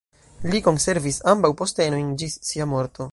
Li konservis ambaŭ postenojn ĝis sia morto.